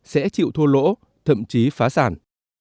sẽ chịu thua lỗ thậm chí phá sản